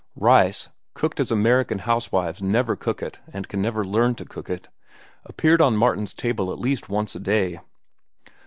Rice, cooked as American housewives never cook it and can never learn to cook it, appeared on Martin's table at least once a day.